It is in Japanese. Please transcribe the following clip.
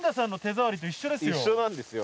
一緒なんですよ。